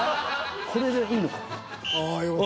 これでいいのか。